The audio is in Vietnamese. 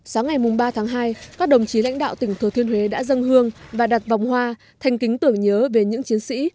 sáng ngày ba tháng hai các đồng chí lãnh đạo tỉnh thừa thiên huế đã dâng hương và đặt vòng hoa thanh kính tưởng nhớ về những chiến sĩ